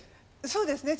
そうですね。